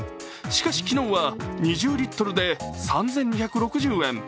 しかし、昨日は２０リットルで３２６０円。